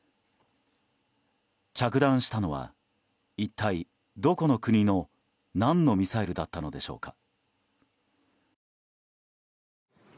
着弾したのは一体どこの国の何のミサイルだったのでしょうか。